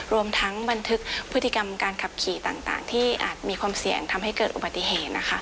รวมทั้งบันทึกพฤติกรรมการขับขี่ต่างที่อาจมีความเสี่ยงทำให้เกิดอุบัติเหตุนะคะ